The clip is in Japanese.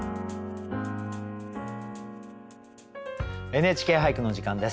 「ＮＨＫ俳句」の時間です。